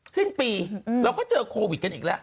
สิ้นปีเราก็เจอโควิดกันอีกแล้ว